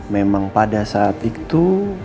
memang pada saat itu